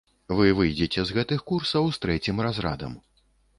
Вы выйдзеце з гэтых курсаў з трэцім разрадам.